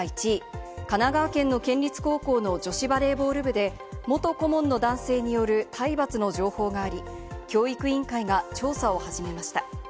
まずは１位、神奈川県の県立高校の女子バレーボール部で、元顧問の男性による体罰の情報があり、教育委員会が調査を始めました。